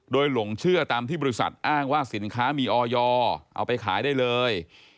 โดยหลงเชื่อตามที่บริษัทอ้างว่าสินค้ามีออยเอาไปขายได้เลย